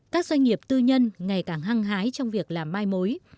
các doanh nghiệp tư nhân ngày càng hăng hái trong việc làm mai mối